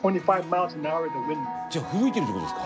じゃあふぶいてるってことですか？